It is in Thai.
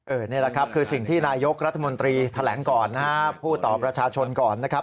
นี่แหละครับคือสิ่งที่นายกรัฐมนตรีแถลงก่อนนะฮะพูดต่อประชาชนก่อนนะครับ